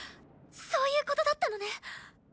そういうことだったのね。